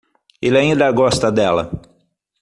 Ele ainda gosta dela.